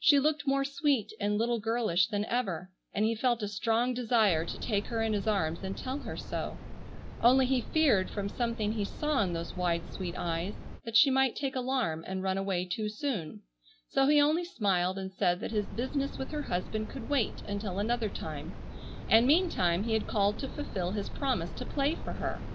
She looked more sweet and little girlish than ever, and he felt a strong desire to take her in his arms and tell her so, only he feared, from something he saw in those wide, sweet eyes, that she might take alarm and run away too soon, so he only smiled and said that his business with her husband could wait until another time, and meantime he had called to fulfil his promise to play for her.